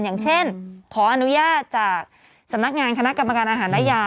อย่างเช่นขออนุญาตจากสำนักงานคณะกรรมการอาหารและยา